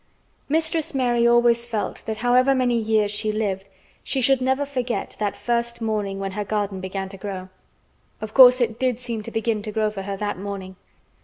Mistress Mary always felt that however many years she lived she should never forget that first morning when her garden began to grow. Of course, it did seem to begin to grow for her that morning.